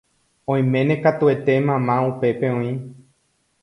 oiméne katuete mamá upépe oĩ